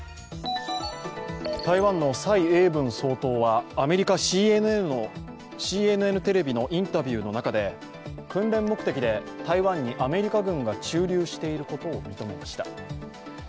台湾の蔡英文総統はアメリカＣＮＮテレビのインタビューの中で訓練目的で台湾にアメリカ軍が駐留していることを認めました。